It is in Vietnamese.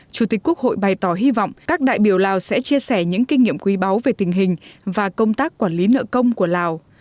chủ tịch quốc hội bày tỏ hy vọng các đại biểu lào sẽ chia sẻ những kinh nghiệm quý báu về tình hình và công tác quản lý nợ công của lào